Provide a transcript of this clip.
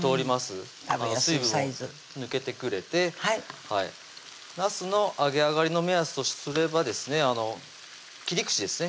水分抜けてくれてなすの揚げ上がりの目安とすれば切り口ですね